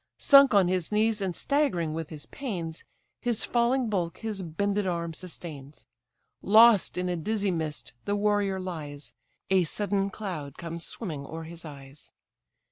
Sunk on his knees, and staggering with his pains, His falling bulk his bended arm sustains; Lost in a dizzy mist the warrior lies; A sudden cloud comes swimming o'er his eyes.